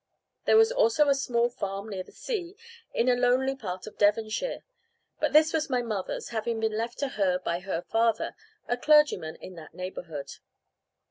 There was also a small farm near the sea, in a lonely part of Devonshire; but this was my mother's, having been left to her by her father, a clergyman in that neighbourhood.